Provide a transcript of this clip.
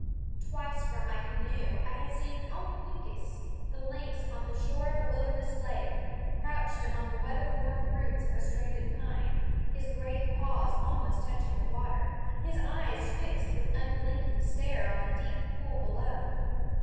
Twice from my canoe I had seen Upweekis the lynx on the shore of a wilderness lake, crouched among the weather worn roots of a stranded pine, his great paws almost touching the water, his eyes fixed with unblinking stare on the deep pool below.